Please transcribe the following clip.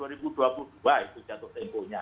dua ribu dua puluh dua itu jatuh temponya